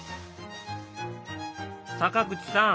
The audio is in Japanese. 坂口さん